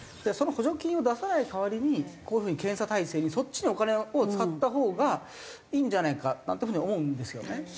その補助金を出さない代わりにこういう風に検査体制にそっちにお金を使ったほうがいいんじゃないかなんていう風に思うんですよね。